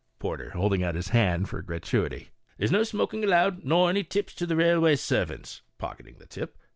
Porter (Holding out his hand for a gratuity). " There's no smoking allowed, nor any tips to the railway servants " (pocketing ■he tip).